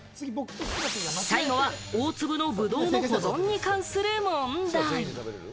最後は大粒のブドウの保存に関する問題。